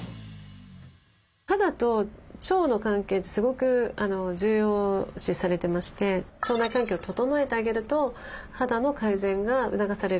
肌と腸の関係ってすごく重要視されてまして腸内環境を整えてあげると肌の改善が促される。